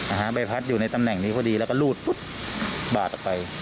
หางใบพัดอยู่ในตำแหน่งนี้พอดีแล้วก็รูดปุ๊บบาดออกไป